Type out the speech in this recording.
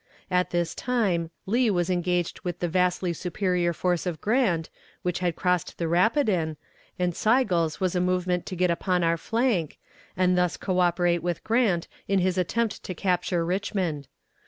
At this time Lee was engaged with the vastly superior force of Grant, which had crossed the Rapidan, and Sigel's was a movement to get upon our flank, and thus coöperate with Grant in his attempt to capture Richmond.